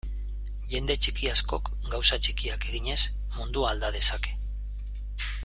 Jende txiki askok, gauza txikiak eginez, mundua alda dezake.